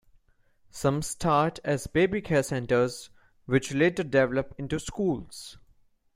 Some start as babycare centres, which later develop into schools.